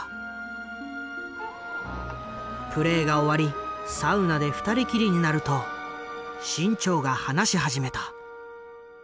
プレーが終わりサウナで２人きりになると志ん朝が話し始めた。